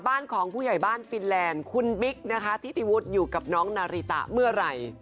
บ้านของผู้ใหญ่บ้านฟินแลนด์คุณบิ๊กนะคะทิติวุฒิอยู่กับน้องนาริตะเมื่อไหร่